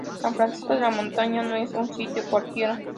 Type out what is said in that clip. San Francisco de la Montaña no es un sitio cualquiera.